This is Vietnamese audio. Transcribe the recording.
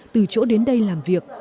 từ chỗ đến đây làm việc